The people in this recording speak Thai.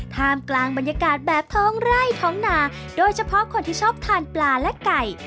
ท่ามกลางบรรยากาศแบบท้องไร่ท้องนาโดยเฉพาะคนที่ชอบทานปลาและไก่